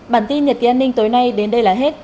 bản tin nhật ký an ninh tối nay đến đây là hết